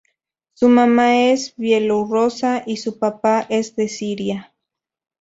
Su mamá es bielorrusa y su papá es de Siria.